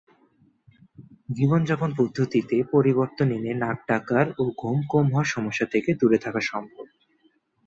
জীবনযাপন পদ্ধতিতে পরিবর্তন এনে নাক ডাকার ও ঘুম কম হওয়ার সমস্যা থেকে দূরে থাকা সম্ভব।